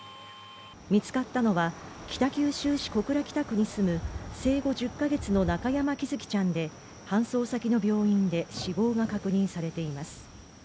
見つかったのは北九州市小倉北区に住む生後１０か月の中山喜寿生ちゃんで搬送先の病院で死亡が確認されています。